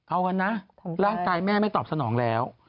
เอากันนะร่างกายแม่ไม่ตอบสนองแล้ว